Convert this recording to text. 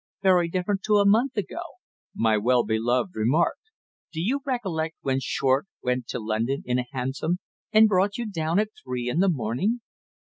"Very different to a month ago," my well beloved remarked. "Do you recollect when Short went to London in a hansom and brought you down at three in the morning?"